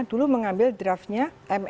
dulu mengambil draftnya